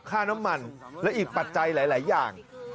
ค่าน้ำมันและอีกปัจจัยหลายอย่าง